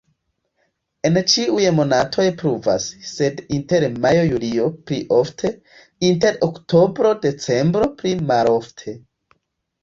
En ĉiuj monatoj pluvas, sed inter majo-julio pli ofte, inter oktobro-decembro pli malofte.